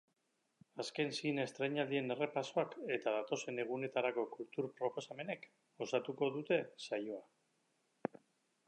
Azken zine estreinaldien errepasoak eta datozen egunetarako kultur proposamenek osatuko dute saioa.